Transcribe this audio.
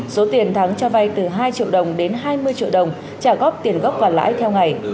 số tiền thắng cho vay từ hai triệu đồng đến hai mươi triệu đồng trả góp tiền gốc và lãi theo ngày